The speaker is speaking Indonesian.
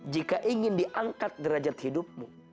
jika ingin diangkat derajat hidupmu